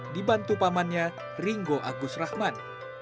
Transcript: dibantu pamannya ringo agus rahman